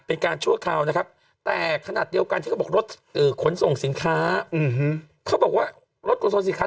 ชั่วคราวนะครับแต่ขนาดเดียวกันที่เขาบอกรถขนส่งสินค้าเขาบอกว่ารถกุศลสี่คัน